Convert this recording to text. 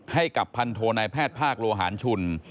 ให้กับพันโทนายแพทย์ภาคโลหารชุน